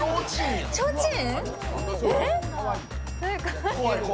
ちょうちん？